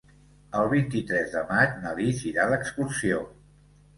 El vint-i-tres de maig na Lis irà d'excursió.